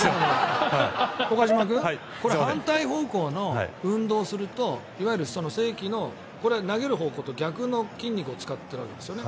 岡島君これは反対方向の運動をするといわゆる正規の投げる方向と逆の筋肉を使っているわけですよね。